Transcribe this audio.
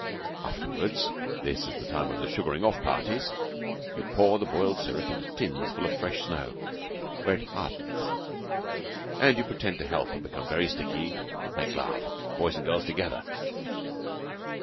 Afterwards (this is the time of the 'sugaring off parties') you pour the boiled syrup into tins full of fresh snow, where it hardens, and you pretend to help and become very sticky and make love, boys and girls together.